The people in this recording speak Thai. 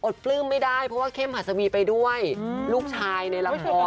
ปลื้มไม่ได้เพราะว่าเข้มหัสวีไปด้วยลูกชายในละคร